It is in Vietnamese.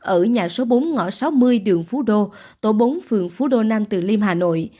ở nhà số bốn ngõ sáu mươi đường phú đô tổ bốn phường phú đô nam từ liêm hà nội